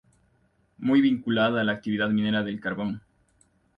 Muy vinculada a la actividad minera del carbón.